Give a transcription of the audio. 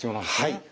はい。